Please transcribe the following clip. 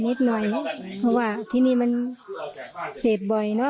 นิดหน่อยเพราะว่าที่นี่มันเสพบ่อยเนอะ